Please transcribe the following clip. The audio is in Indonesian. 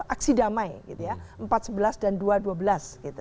aksi damai empat sebelas dan dua dua belas gitu